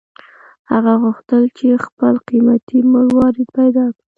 هغه غوښتل چې خپل قیمتي مروارید پیدا کړي.